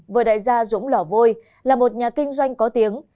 vừa đại gia dũng lỏ vôi là một nhà kinh doanh có tiếng